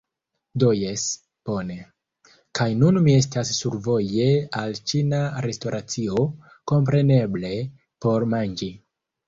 Do jes, bone. kaj nun mi estas survoje al ĉina restoracio, kompreneble, por manĝi!